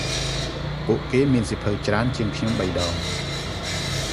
ពួកគេមានសៀវភៅច្រេីនជាងខ្ញុំបីដង។